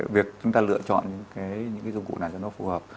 việc chúng ta lựa chọn những cái dụng cụ nào cho nó phù hợp